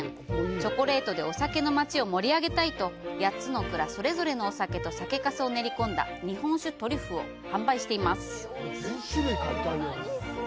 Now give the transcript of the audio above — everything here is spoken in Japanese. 「チョコレートでお酒の街を盛り上げたい！」と、８つの蔵それぞれのお酒と酒粕を練り込んだ日本酒トリュフを販売しています。